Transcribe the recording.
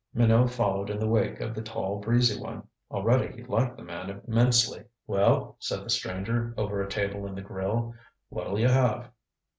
Minot followed in the wake of the tall breezy one. Already he liked the man immensely. "Well," said the stranger, over a table in the grill, "what'll you have?